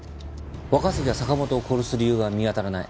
若杉が坂本を殺す理由が見当たらない。